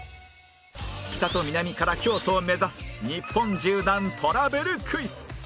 北と南から京都を目指す日本縦断トラベルクイズ